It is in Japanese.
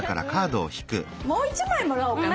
もう１枚もらおうかな。